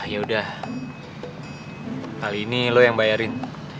yaudah kali ini lo yang bayarin